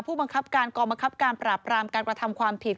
ผู้บังคับการกองบังคับการปราบรามการกระทำความผิด